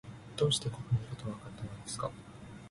どうしてここにいると、わかったのですか？